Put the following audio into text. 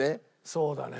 そうだね。